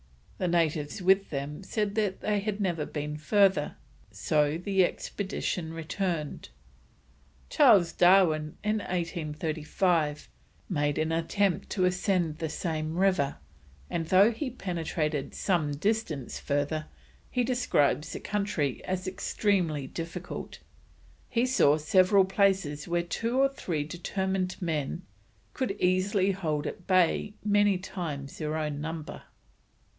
The natives with them said they had never been further, so the expedition returned. Charles Darwin, in 1835, made an attempt to ascend the same river, and though he penetrated some distance further, he describes the country as extremely difficult; he saw several places where two or three determined men could easily hold at bay many times their own number.